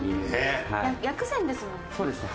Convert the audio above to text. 薬膳ですもんね。